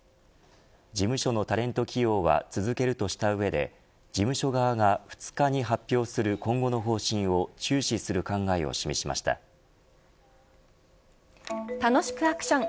事務所のタレント起用は続けるとした上で事務所側が２日に発表する今後の方針を楽しくアクション！